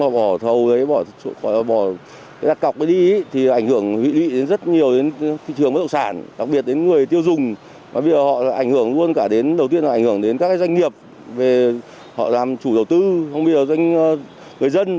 chủ đầu tư không biết là doanh người dân